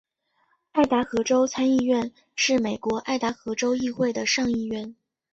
爱达荷州参议院是美国爱达荷州议会的上议院。